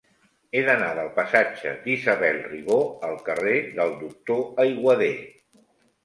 He d'anar del passatge d'Isabel Ribó al carrer del Doctor Aiguader.